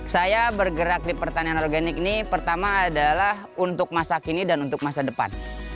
saya bergerak di pertanian organik ini pertama adalah untuk masa kini dan untuk masa depan